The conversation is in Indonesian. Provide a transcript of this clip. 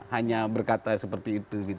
hanya berkata seperti itu